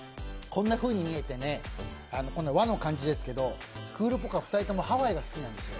こんなふうに見えて和の感じですけどクールポコは２人ともハワイが好きなんですよ。